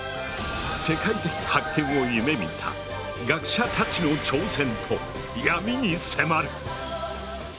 世界的発見を夢みた学者たちの挑戦と闇に迫る。